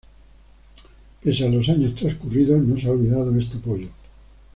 Pese a los años transcurridos, no se ha olvidado este apoyo.